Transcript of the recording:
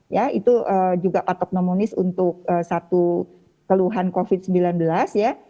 ya itu juga patok nomonis untuk satu keluhan covid sembilan belas ya